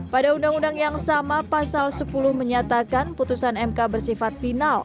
pada undang undang yang sama pasal sepuluh menyatakan putusan mk bersifat final